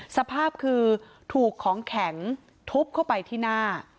สภาพคือถูกของแข็งทุบเข้าไปที่หน้า